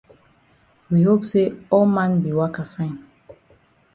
We hope say all man be waka fine.